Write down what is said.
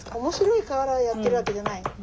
面白いからやってるわけじゃない。